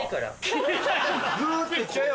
グっていっちゃえよ。